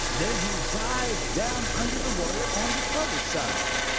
Then he dived down under water on the other side.